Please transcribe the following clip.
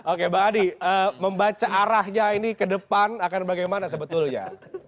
oke mbak adi membaca arahnya ini ke depan akan bagaimana sebetulnya